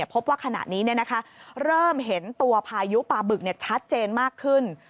พบว่าขณะนี้เริ่มเห็นตัวพายุปลาบึกชัดเจนมากขึ้น